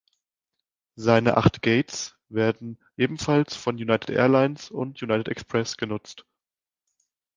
Seine acht Gates werden ebenfalls von United Airlines und United Express genutzt.